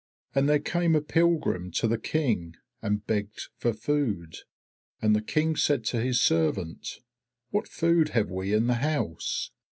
And there came a pilgrim to the King, and begged for food. And the King said to his servant, 'What food have we in the house?'